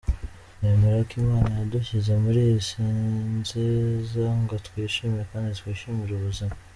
Nemera ko Imana yadushyize muri iyi si nziza ngo twishime kandi twishimire ubuzima.